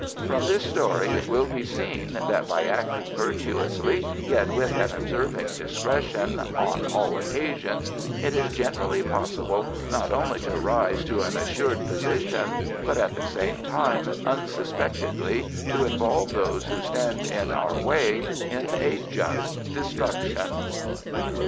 From this story it will be seen that by acting virtuously, yet with an observing discretion, on all occasions, it is generally possible not only to rise to an assured position, but at the same time unsuspectedly to involve those who stand in our way in a just destruction.